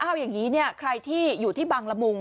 เอาอย่างนี้เนี่ยใครที่อยู่ที่บังละมุง